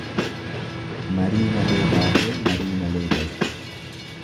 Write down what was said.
Marii malee baatee marii malee galti.